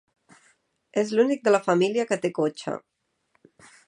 És l'únic de la família que té cotxe.